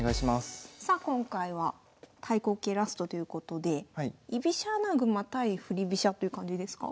さあ今回は対抗形ラストということで居飛車穴熊対振り飛車という感じですか？